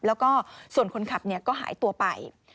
แล้วก็ส่วนคนขับก็หายตัวไป